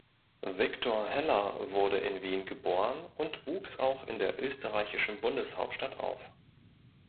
Viktor Heller wurde in Wien geboren und wuchs auch in der österreichischen Bundeshauptstadt auf.